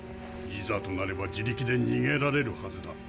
いざとなれば自力でにげられるはずだ。